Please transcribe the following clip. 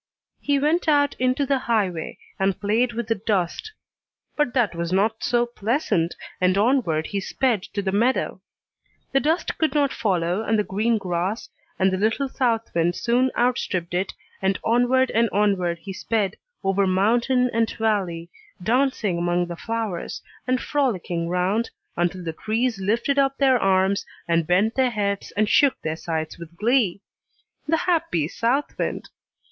He went out into the highway, and played with the dust; but that was not so pleasant, and onward he sped to the meadow. The dust could not follow on the green grass, and the little south wind soon outstripped it, and onward and onward he sped, over mountain and valley, dancing among the flowers, and frolicking round, until the trees lifted up their arms and bent their heads and shook their sides with glee, the happy south wind!